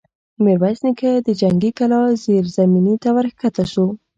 ميرويس نيکه د جنګي کلا زېرزميني ته ور کښه شو.